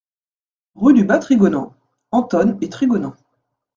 Rue du Bas Trigonant, Antonne-et-Trigonant